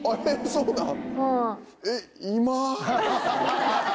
そうなん？